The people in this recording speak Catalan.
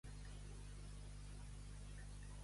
A la Barceloneta, la sal hi vessa.